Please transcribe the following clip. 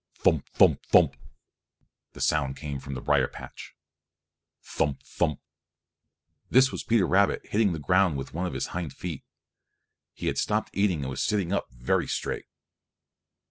"Thump, thump, thump!" The sound came from the brier patch. "Thump, thump!" This was Peter Rabbit hitting the ground with one of his hind feet. He had stopped eating and was sitting up very straight.